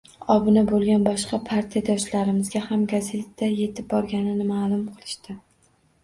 Obuna boʻlgan boshqa partiyadoshlarimizga ham gazeta yetib bormaganini maʼlum qilishdi.